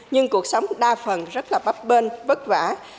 nhưng cuộc sống đa phần rất là bắp bên vất vả